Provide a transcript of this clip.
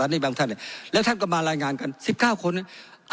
นี่บางท่านแล้วท่านก็มารายงานกันสิบเก้าคนอ่ะ